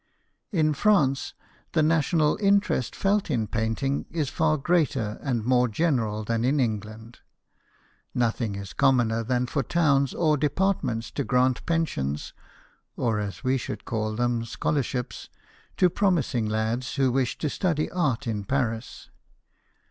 In France, the national interest felt in painting is far greater and more general than in England. Nothing is commoner than for towns or depart ments to grant pensions (or as we should call them, scholarships) to promising lads who wish to study art in Paris.